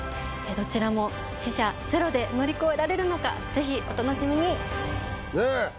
どちらも死者ゼロで乗り越えられるのかぜひお楽しみにねえ